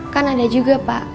kan ada juga pak